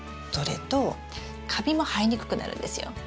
それとカビも生えにくくなるんですよ。